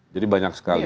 jadi banyak sekali